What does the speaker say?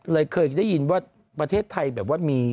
เคยได้ยินว่าประเทศไทยแบบว่ามี